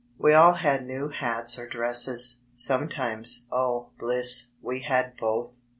We all had new hats or dresses, sometimes, oh, bliss, we had both!